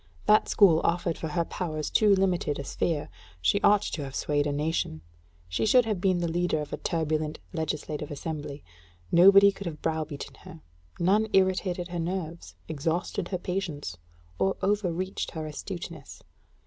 That school offered for her powers too limited a sphere: she ought to have swayed a nation; she should have been the leader of a turbulent legislative assembly. Nobody could have browbeaten her, none irritated her nerves, exhausted her patience, or overreached her astuteness.